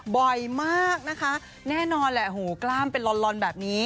บ่อยมากนะคะแน่นอนแหละโหกล้ามเป็นลอนแบบนี้